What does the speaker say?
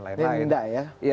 ya ini yang menda ya